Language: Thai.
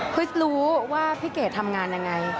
คริสรู้ว่าพี่เกดทำงานอย่างไร